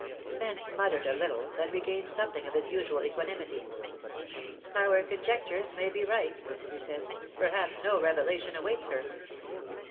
Spence muttered a little; then regained something of his usual equanimity. "Our conjectures may be right," he said. "Perhaps no revelation awaits her."